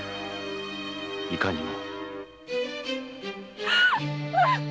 いかにも。